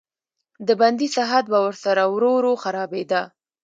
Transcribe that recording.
د بندي صحت به ورسره ورو ورو خرابېده.